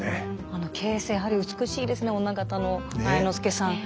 あの傾城やはり美しいですね女方の愛之助さん。